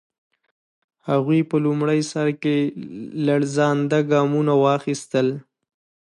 هغوی په لومړي سر کې لړزانده ګامونه واخیستل.